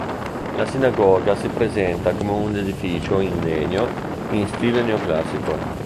La sinagoga si presenta come un edificio in legno in stile neoclassico.